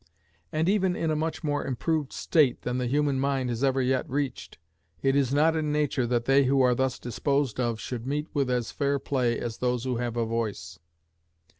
And even in a much more improved state than the human mind has ever yet reached, it is not in nature that they who are thus disposed of should meet with as fair play as those who have a voice.